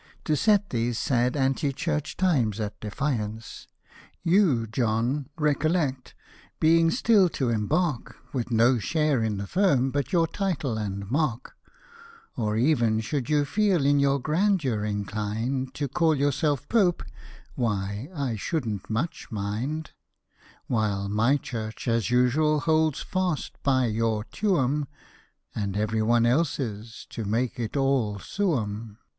To set these sad Anti Church times at defiance : Q Hosted by Google 226 SATIRICAL AND HUMOROUS POEMS You, John, recollect, being still to embark, With no share in the firm but your title and mark; Or ev'n should you feel in your grandeur inclined To call yourself Pope, why, I shouldn't much mind ; While my church as usual holds fast by your Tuum, And every one else's, to make it all Suum.